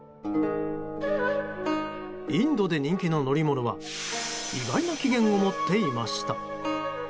インドで人気の乗り物は意外な起源を持っていました。